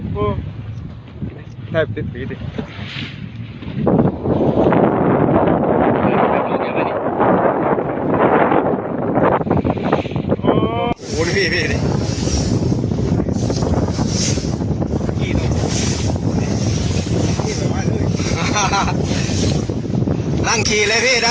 ภูมิชาว่าสุปราณมณีพิเศษ